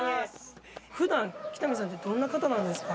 普段北見さんってどんな方なんですか？